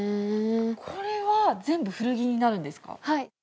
これは全部、古着になるんではい。